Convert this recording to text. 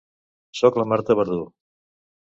Soc la Marta Verdú.